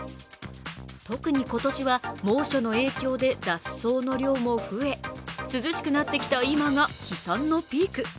特に今年は猛暑の影響で雑草の量も増え、涼しくなってきた今が飛散のピーク。